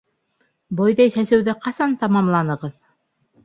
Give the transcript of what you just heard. Бойҙай сәсеүҙе ҡасан тамамланығыҙ?